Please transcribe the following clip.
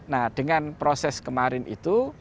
nah dengan proses kemarin itu